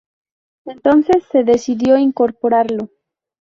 Entonces se decidió incorporarlo.